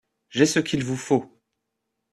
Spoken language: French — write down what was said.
J’ai ce qu’il vous faut.